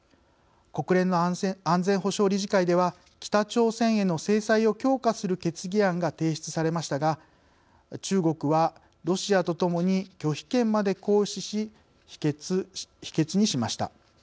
国連の安全保障理事会では北朝鮮への制裁を強化する決議案が提出されましたが中国は、ロシアとともに拒否権まで行使し否決にしました。